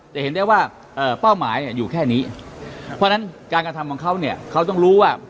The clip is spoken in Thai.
เห็นได้ว่าเป้าหมายเนี่ยอยู่แค่นี้เพราะฉะนั้นการกระทำของเขาเนี่ยเขาต้องรู้ว่า